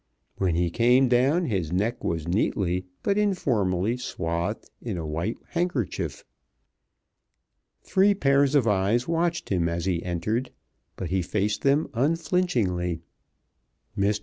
When he came down his neck was neatly, but informally swathed in a white handkerchief. Three pairs of eyes watched him as he entered, but he faced them unflinchingly. Mr.